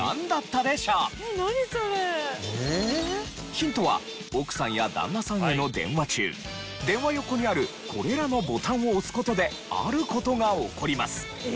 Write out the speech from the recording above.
ヒントは奥さんや旦那さんへの電話中電話横にあるこれらのボタンを押す事である事が起こります。